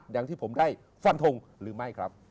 อย่างที่ผมได้ฟันทงหรือไม่ครับ